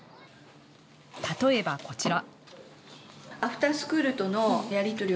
例えばこちら。